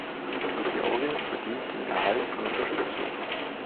Georgien verdient den Erhalt von Unterstützung.